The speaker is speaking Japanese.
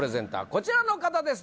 こちらの方です